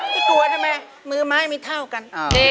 ไม่กลัวทำไมมือไม้มีเท่ากัน